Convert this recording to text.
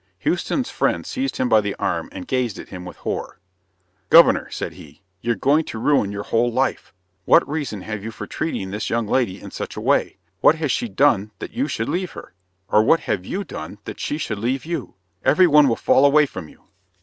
Houston's friend seized him by the arm and gazed at him with horror. "Governor," said he, "you're going to ruin your whole life! What reason have you for treating this young lady in such a way? What has she done that you should leave her? Or what have you done that she should leave you? Every one will fall away from you."